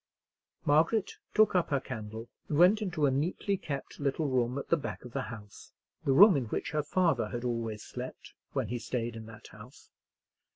Margaret took up her candle, and went into a neatly kept little room at the back of the house,—the room in which her father had always slept when he stayed in that house.